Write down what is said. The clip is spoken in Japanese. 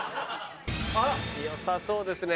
あら良さそうですね。